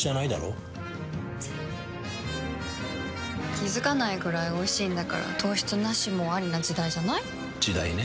気付かないくらいおいしいんだから糖質ナシもアリな時代じゃない？時代ね。